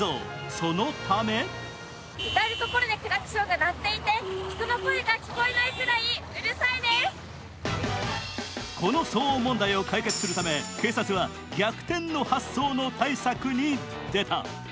そのためこの騒音問題を解決するため警察は逆転の発想の対策に出た。